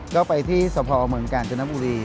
ก็ไปที่สพเมืองกาญจนบุรี